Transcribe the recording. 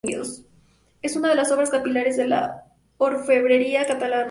Es una de las obras capitales de la orfebrería catalana.